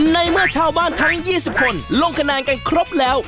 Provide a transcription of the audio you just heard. ในเมื่อชาวบ้านทั้ง๒๐คนลงคะแนนกันครบแล้ว